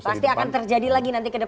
pasti akan terjadi lagi nanti ke depan